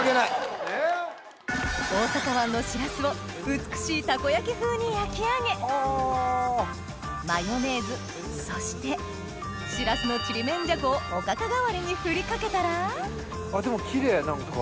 大阪湾のしらすを美しいたこ焼き風に焼き上げそしてしらすのちりめんじゃこをおかか代わりに振りかけたらあっでもキレイ何か。